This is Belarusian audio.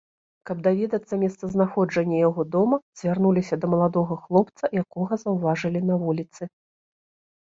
Каб даведацца месцазнаходжанне яго дома, звярнуліся да маладога хлопца, якога заўважылі на вуліцы.